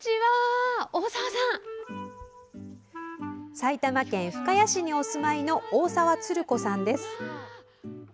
埼玉県深谷市にお住まいの大澤つる子さんです。